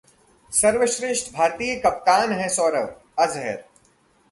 सर्वश्रेष्ठ भारतीय कप्तान हैं सौरवः अजहर